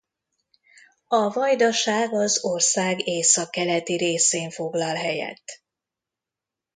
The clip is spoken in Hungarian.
A vajdaság az ország északkeleti részén foglal helyet.